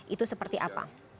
itu seperti apa